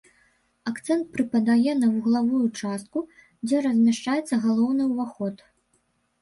Акцэнт прыпадае на вуглавую частку, дзе размяшчаецца галоўны ўваход.